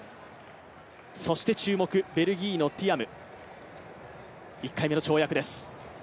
そして注目、ベルギーのティアム、１回目の跳躍です。